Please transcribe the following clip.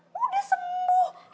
lu udah sembuh